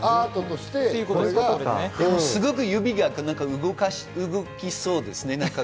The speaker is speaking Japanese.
すごく指が動きそうですね。